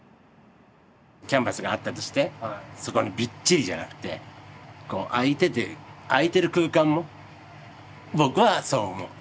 キャンバスがあったとしてそこにびっちりじゃなくてこう空いてて空いてる空間も僕はそう思う。